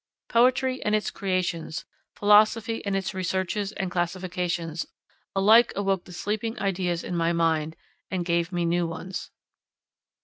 Poetry and its creations, philosophy and its researches and classifications, alike awoke the sleeping ideas in my mind, and gave me new ones.